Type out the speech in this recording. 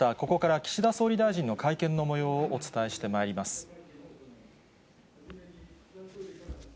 ここから岸田総理大臣の会見のもようをお伝えしてまいります。